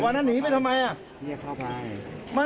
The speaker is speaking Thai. วันนั้นหนีไปทำไม